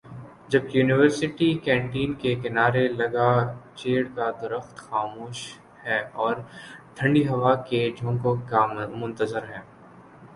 جبکہ university canteen کے کنارے لگا چیڑ کا درخت خاموش ہےاور ٹھنڈی ہوا کے جھونکوں کا منتظر ہے